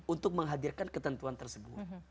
untuk menghadirkan ketentuan tersebut